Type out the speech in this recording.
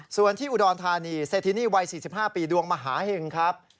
ส่วนที่อุดรธานีเศรษฐินีวัย๔๕ปีดวงมหาเห็งครับ